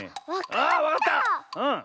あわかった！